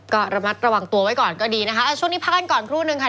ก็ระมัดระวังตัวไว้ก่อนก็ดีนะคะช่วงนี้พักกันก่อนครู่นึงค่ะ